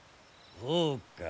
そうか。